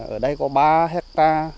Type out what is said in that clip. ở đây có ba hecta